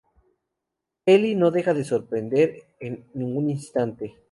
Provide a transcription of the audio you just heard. Ely no deja de sorprender en ningún instante.